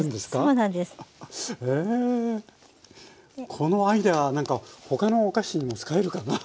このアイデア何か他のお菓子にも使えるかなぁ？